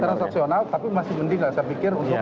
transaksional tapi masih mending lah saya pikir untuk